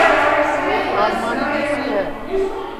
دؔوت آلماڑی وی سی ہے